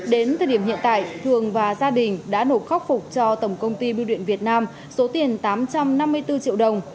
đến thời điểm hiện tại thường và gia đình đã nộp khắc phục cho tổng công ty biêu điện việt nam số tiền tám trăm năm mươi bốn triệu đồng